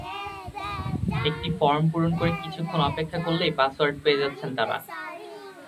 একটি ফরম পূরণ করে কিছুক্ষণ অপেক্ষা করলেই পাসওয়ার্ড পেয়ে যাচ্ছেন তাঁরা।